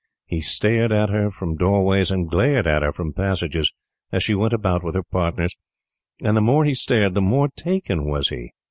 He stared at her from doorways, and glared at her from passages as she went about with her partners; and the more he stared, the more taken was he.